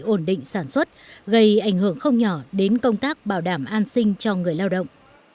ổn định sản xuất gây ảnh hưởng không nhỏ đến công tác bảo đảm an sinh cho người lao động